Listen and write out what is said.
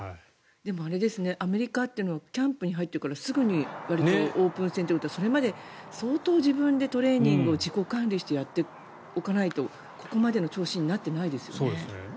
アメリカっていうのはキャンプに入ってからすぐにわりとオープン戦ということはそれまで相当自分でトレーニングを自己管理してやっておかないとここまでの調子になってないですよね。